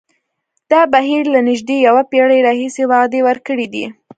دا بهیر له نژدې یوه پېړۍ راهیسې وعدې ورکړې دي.